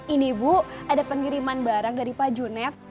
ini bu ada pengiriman barang dari pak junet